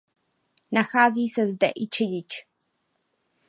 Nachází se zde i čedič.